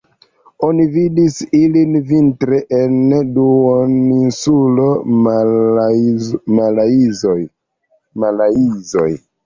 Oni vidis ilin vintre en duoninsula Malajzio.